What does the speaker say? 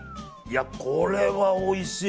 これはおいしい。